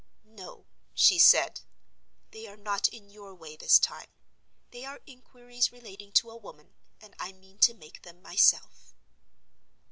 "No," she said; "they are not in your way this time. They are inquiries relating to a woman; and I mean to make them myself!"